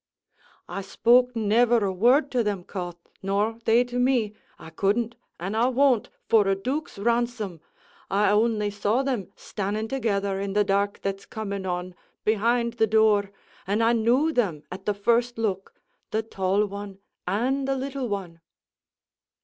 "I spoke never a word to them, Cauth, nor they to me; I couldn't an' I won't, for a duke's ransom: I only saw them stannin' together, in the dark that's coming on, behind the dour, an' I knew them at the first look the tall one an' the little one."